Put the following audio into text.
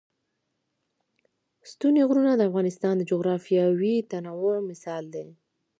ستوني غرونه د افغانستان د جغرافیوي تنوع مثال دی.